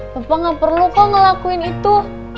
bapak gak perlu kok ngelakuin itu